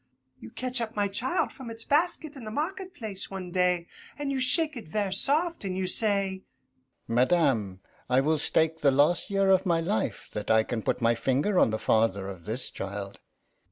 You catch up my child from its basket in the market place one day, and you shake it ver' soft, an' you say, "Madame, I will stake the last year of my life that I can put my finger on the father of this child."